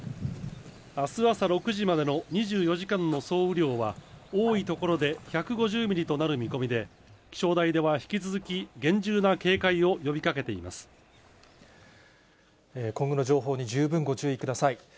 あす朝６時までの２４時間の総雨量は、多い所で１５０ミリとなる見込みで、気象台では、引き続き厳重な今後の情報に十分ご注意ください。